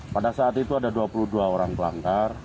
pada saat itu ada dua puluh dua orang pelanggar